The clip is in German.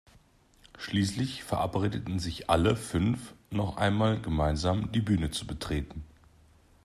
Schließlich verabredeten sich alle fünf, noch einmal gemeinsam die Bühne zu betreten.